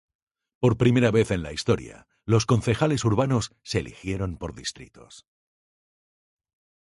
Por primera vez en la historia, los concejales urbanos se eligieron por distritos.